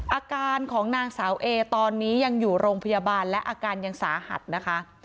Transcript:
อาการของนางสาวเอตอนนี้ยังอยู่โรงพยาบาลและอาการยังสาหัสนะคะ